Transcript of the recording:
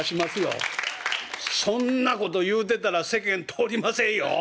そんなこと言うてたら世間通りませんよ。